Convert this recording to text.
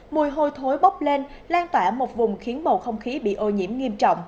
mùi hôi thối bốc lên lan tỏa một vùng khiến bầu không khí bị ô nhiễm nghiêm trọng